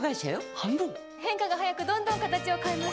変化が早くどんどん形を変えます。